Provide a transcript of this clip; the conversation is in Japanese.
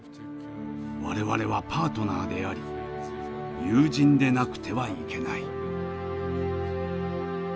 我々はパートナーであり友人でなくてはいけない」。